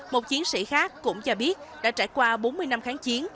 một chiến sĩ khác cũng cho biết đã trải qua bốn mươi năm kháng chiến